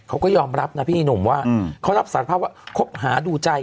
เขาก็ยอมรับนะพี่หนุ่มว่าเขารับสารภาพว่าคบหาดูใจ